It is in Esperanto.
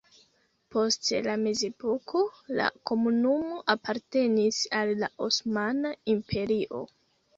Post la mezepoko la komunumo apartenis al la Osmana Imperio.